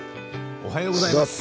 おはようございます。